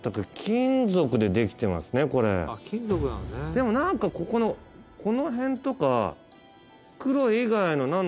でも何かここのこの辺とか。